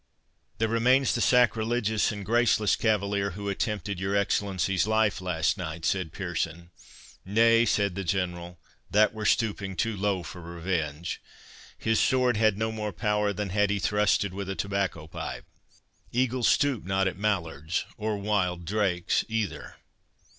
"There remains the sacrilegious and graceless cavalier who attempted your Excellency's life last night," said Pearson. "Nay," said the General, "that were stooping too low for revenge. His sword had no more power than had he thrusted with a tobacco pipe. Eagles stoop not at mallards, or wild drakes either."